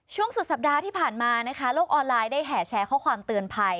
สุดสัปดาห์ที่ผ่านมานะคะโลกออนไลน์ได้แห่แชร์ข้อความเตือนภัย